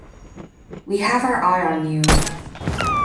We have our eye on you.